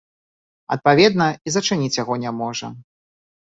Адпаведна, і зачыніць яго не можа.